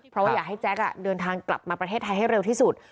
เพราะว่าอยากให้แจ๊คเดินทางกลับมาประเทศไทยให้เร็วที่สุด